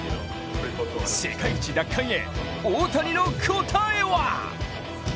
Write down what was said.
世界一奪還へ大谷の答えは？